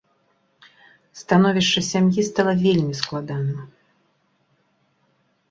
Становішча сям'і стала вельмі складаным.